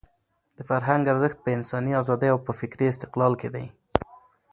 د فرهنګ ارزښت په انساني ازادۍ او په فکري استقلال کې دی.